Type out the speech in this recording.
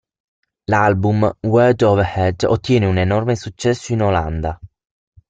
L'album "World of Hurt" ottiene un enorme successo in Olanda.